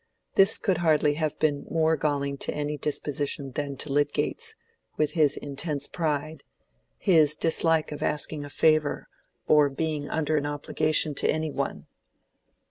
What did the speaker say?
This could hardly have been more galling to any disposition than to Lydgate's, with his intense pride—his dislike of asking a favor or being under an obligation to any one.